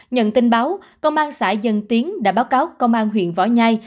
nhận tin báo công an xã dân tiến đã báo cáo công an huyện võ nhai